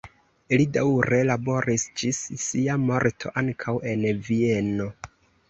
Li daŭre laboris ĝis sia morto ankaŭ en Vieno.